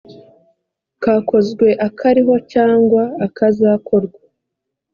kakozwe akariho cyangwa akazakorwa